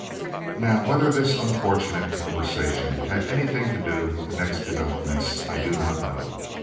Now, whether this unfortunate conversation had anything to do with the next developments I do not know.